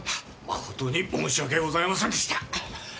誠に申し訳ございませんでした！